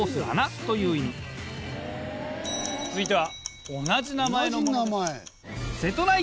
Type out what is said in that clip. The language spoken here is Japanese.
続いては。